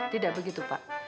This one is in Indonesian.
tidak begitu pak